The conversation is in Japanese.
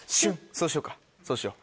そうしようかそうしよう。